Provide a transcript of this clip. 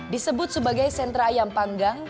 disebut sebagai sentra ayam panggang